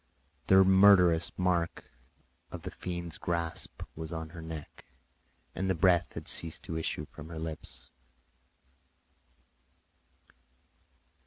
The murderous mark of the fiend's grasp was on her neck, and the breath had ceased to issue from her lips.